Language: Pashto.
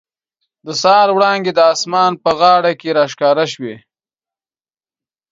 د سهار وړانګې د اسمان په غاړه کې را ښکاره شوې.